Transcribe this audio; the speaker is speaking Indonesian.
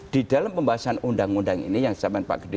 di dalam pembahasan undang undang ini yang saya ingin pak gede tadi